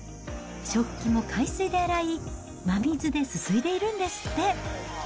食器も海水で洗い、真水ですすいでいるんですって。